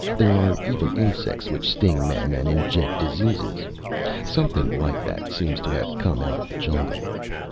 There are even insects which sting men and inject diseases. Something like that seems to have come out of the jungle.